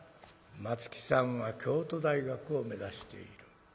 松木さんは京都大学を目指している。